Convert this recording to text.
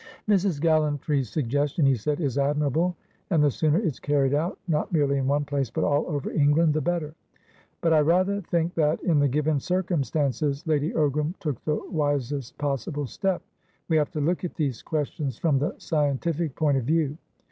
"Mrs. Gallantry's suggestion," he said, "is admirable, and the sooner it's carried out, not merely in one place, but all over England, the better. But I rather think that, in the given circumstances, Lady Ogram took the wisest possible step. We have to look at these questions from the scientific point of view.